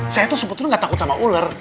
saya tuh sebetulnya gak takut sama ular